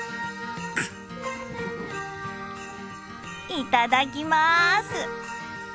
いただきます！